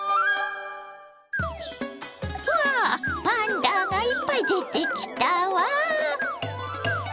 うわパンダがいっぱい出てきたわ！